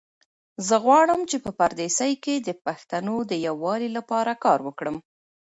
زه غواړم چې په پردیسۍ کې د پښتنو د یووالي لپاره کار وکړم.